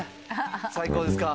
最高ですか？